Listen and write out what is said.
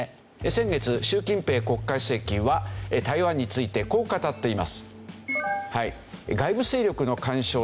先月習近平国家主席は台湾についてこう語っています。